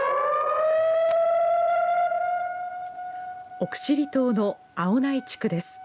奥尻島の青苗地区です。